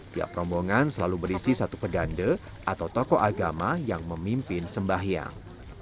tiap rombongan selalu berisi satu pedande atau tokoh agama yang memimpin sembahyang